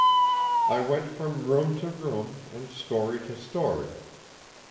"I went from room to room and story to story.